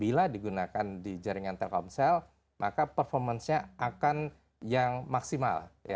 bila digunakan di jaringan telkomsel maka performance nya akan yang maksimal